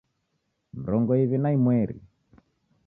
Mrongo iw'i na imweri